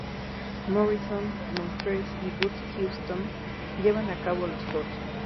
Morrison, Montrose y Boots Houston llevan a cabo los coros.